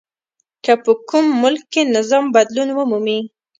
که په کوم ملک کې نظام بدلون ومومي.